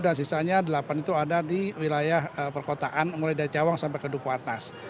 dan sisanya delapan itu ada di wilayah perkotaan mulai dari cawang sampai ke duku atas